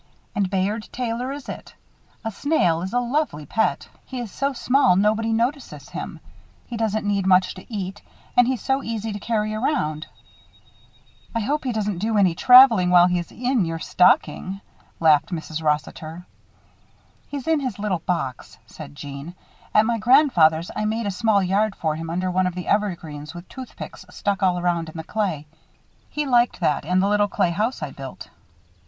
And Bayard Taylor is it. A snail is a lovely pet. He is so small that nobody notices him. He doesn't need much to eat and he's so easy to carry around." "I hope he doesn't do any traveling while he's in your stocking," laughed Mrs. Rossiter. "He's in his little box," said Jeanne. "At my grandfather's I made a small yard for him under one of the evergreens with toothpicks stuck all around in the clay. He liked that and the little clay house I built."